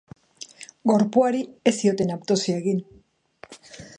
Gorpuari ez zioten autopsia egin.